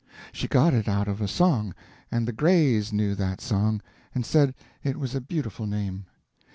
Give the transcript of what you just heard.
She got it out of a song; and the Grays knew that song, and said it was a beautiful name.